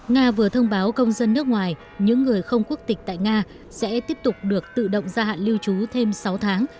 nga vừa thông báo công dân nước ngoài những người không quốc tịch tại nga sẽ tiếp tục được tự động gia hạn lưu trú thêm sáu tháng